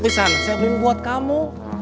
bisa saya beliin buat kamu